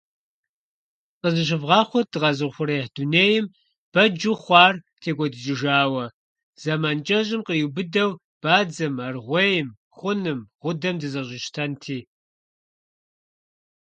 Къызыщывгъэхъут дыкъэзыухъуреихь дунейм бэджу хъуар текIуэдыкIыжауэ. Зэман кIэщIым къриубыдэу бадзэм, аргъуейм, хъуным, гъудэм дызэщIащтэнти.